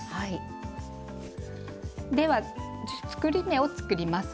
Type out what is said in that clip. では作り目を作ります。